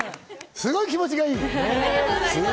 すごい気持ちがいい！